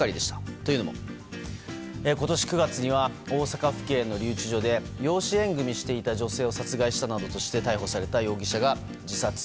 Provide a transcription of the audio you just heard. というのも今年９月には大阪府警の留置場で養子縁組していた女性を殺害したなどとして逮捕された容疑者が自殺。